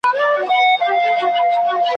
او تیاره ورته د کور وړه دنیا سوه ,